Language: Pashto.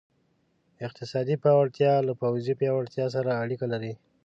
اقتصادي پیاوړتیا له پوځي پیاوړتیا سره اړیکه لري.